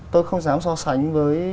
tôi không dám so sánh với